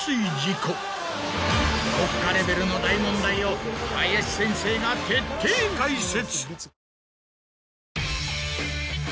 国家レベルの大問題を林先生が徹底解説。